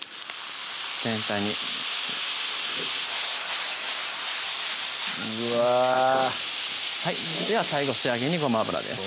全体にうわでは最後仕上げにごま油です